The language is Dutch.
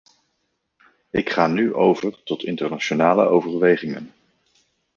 Ik ga nu over tot internationale overwegingen.